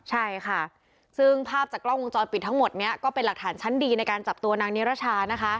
ใช่ค่ะซึ่งภาพจากกล้องวงจรปิดทั้งหมดนี้ก็เป็นหลักฐานชั้นดีในการจับตัวนางนิรชานะคะ